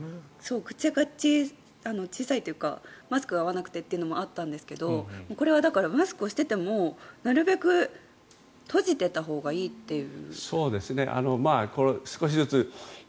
口が小さいというかマスクが合わなくてというのもあったんですがこれは、マスクをしていてもなるべく閉じていたほうがいいという。